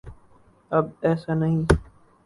اب ایسا نہیں۔